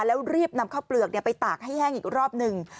แล้วรีบนำข้าวเปลือกไปตากให้แห้งอีกรอบหนึ่ง